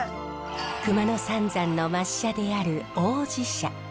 熊野三山の末社である王子社。